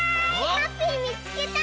ハッピーみつけた！